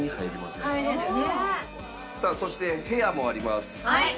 さあそして部屋もあります。